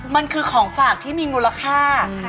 มันคือของฝากที่มีมูลค่า